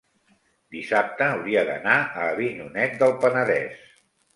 dissabte hauria d'anar a Avinyonet del Penedès.